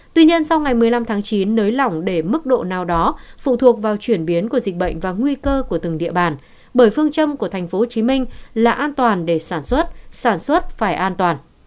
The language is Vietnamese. tuy nhiên sau ngày một mươi năm tháng chín nới lỏng để mức độ nào đó phụ thuộc vào chuyển biến của dịch bệnh và nguy cơ của từng địa bàn bởi phương châm của tp hcm là an toàn để sản xuất sản xuất phải an toàn